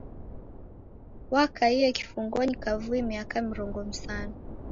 Wakaie kifungonyi kavui miaka mirongo msanu.